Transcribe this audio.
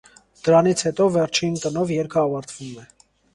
Դրանից հետո, վերջիմ տնով երգը ավարտվում է։